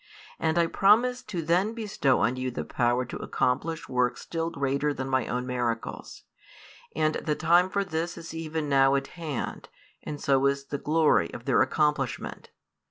And I promise to then bestow on you the power to accomplish works still greater than My own miracles. And the time for this is even now at hand, and so is the glory of their accomplishment.